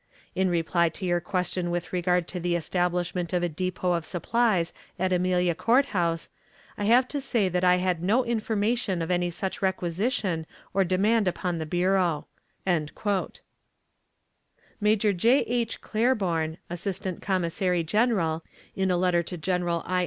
... In reply to your question with regard to the establishment of a depot of supplies at Amelia Court House, I have to say that I had no information of any such requisition or demand upon the bureau." Major J. H. Claiborne, assistant commissary general, in a letter to General I.